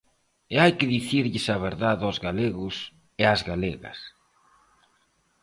E hai que dicirlles a verdade aos galegos e ás galegas.